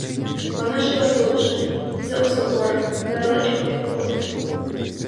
Вона жила тут же, за осокорами, недалечко від подруги.